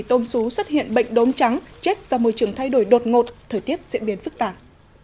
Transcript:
tôm sú xuất hiện bệnh đốm trắng chết do môi trường thay đổi đột ngột thời tiết diễn biến phức tạp